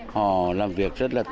họ làm việc rất là tận tình